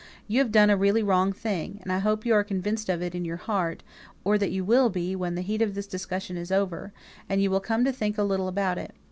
"You have done a really wrong thing, and I hope you are convinced of it in your heart, or that you will be when the heat of this discussion is over, and you come to think a little about it.